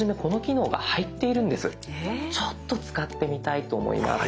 ちょっと使ってみたいと思います。